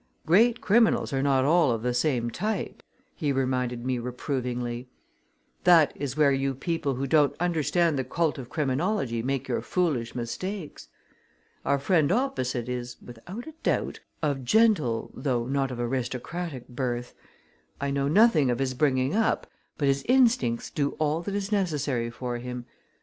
"Great criminals are not all of the same type," he reminded me reprovingly. "That is where you people who don't understand the cult of criminology make your foolish mistakes. Our friend opposite is, without a doubt, of gentle though not of aristocratic birth. I know nothing of his bringing up, but his instincts do all that is necessary for him.